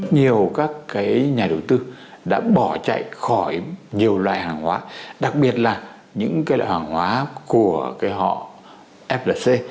nhiều các nhà đầu tư đã bỏ chạy khỏi nhiều loại hàng hóa đặc biệt là những loại hàng hóa của họ flc